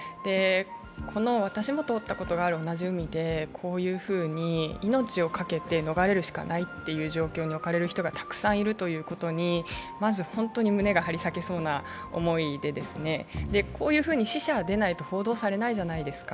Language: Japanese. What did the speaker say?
この私も通ったことがある同じ海で、このように命をかけて逃れるしかないという状況に置かれる人たちがたくさんいるということにまず本当に胸が張り裂けそうな思いでこういうふうに死者が出ないと報道されないじゃないですか。